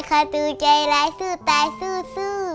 ประตูใจร้ายสู้ตายสู้